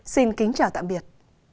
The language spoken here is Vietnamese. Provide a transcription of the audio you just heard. xin kính chào tạm biệt